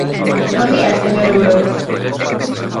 Bo día, señor Ourol.